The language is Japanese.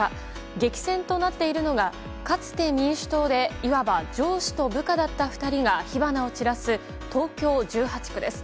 激戦となっているのがかつて民主党でいわば上司と部下だった２人が火花を散らす東京１８区です。